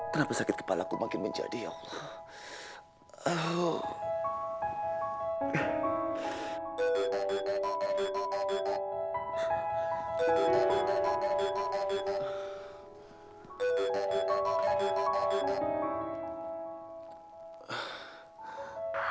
kenapa sakit kepala ku makin menjadi ya allah